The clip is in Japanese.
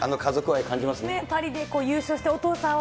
パリで優勝して、お父さんを。